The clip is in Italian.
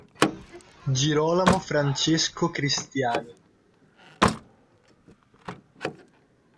Girolamo Francesco Cristiani